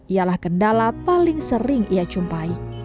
ialah kendala paling sering ia jumpai